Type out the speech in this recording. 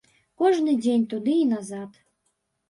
Кожны дзень туды і назад.